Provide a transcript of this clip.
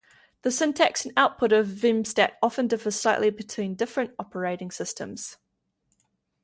The syntax and output of vmstat often differs slightly between different operating systems.